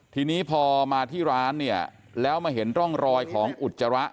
ทีนี้พอมาที่ร้านเนี่ยแล้วมาเห็นร่องรอยของอุจจาระ